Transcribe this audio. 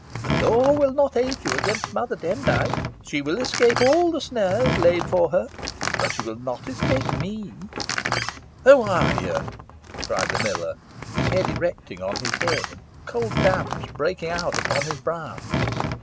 The law will not aid you against Mother Demdike. She will escape all the snares laid for her. But she will not escape me." "Who are ye?" cried the miller, his hair erecting on his head, and cold damps breaking out upon his brow.